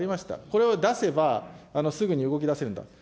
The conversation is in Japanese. これを出せばすぐに動きだせるんだと。